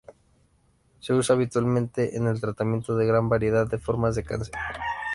Se usa habitualmente en el tratamiento de gran variedad de formas de cáncer.